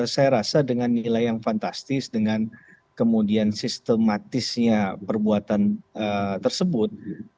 saya rasa dengan nilai yang fantastis dengan kemudian sistematisnya perbuatan tersebut